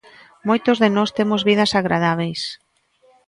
Moitos de nós temos vidas agradábeis.